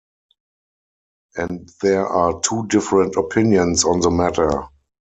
And there are two different opinions on the matter.